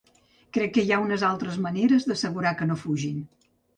Crec que hi ha unes altres maneres d’assegurar que no fugin.